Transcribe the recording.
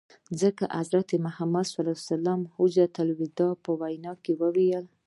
ځکه حضرت رسول ص د حجة الوداع په وینا کي وویل.